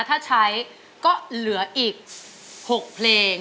ถ้าใช้เกิดเกิดเหลืออีก๖เพลง